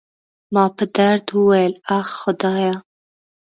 ما په درد وویل: اخ، خدایه.